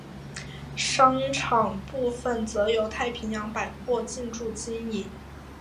商场部份则由太平洋百货进驻经营。